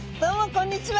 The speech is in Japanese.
こんにちは。